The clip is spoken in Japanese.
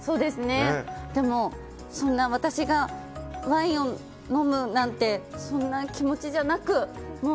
でも、そんな私がワインを飲むなんてそんな気持ちじゃなく、もう。